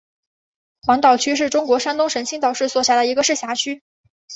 黄岛区是中国山东省青岛市所辖的一个市辖区。